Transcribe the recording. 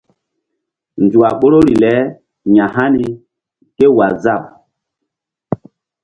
Nzuk a ɓoruri le ya̧hani kéwaazap.